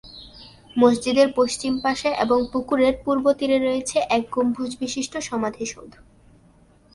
মসজিদের পশ্চিম পাশে এবং পুকুরের পূর্ব তীরে রয়েছে এক গম্বুজ বিশিষ্ঠ সমাধি সৌধ।